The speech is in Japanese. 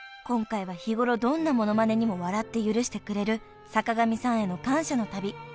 今回は日ごろどんなモノマネにも笑って許してくれる坂上さんへの感謝の旅］